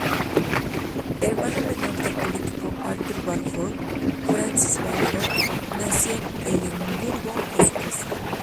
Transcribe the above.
Hermano menor del político Arthur Balfour, Francis Balfour nació en Edimburgo, Escocia.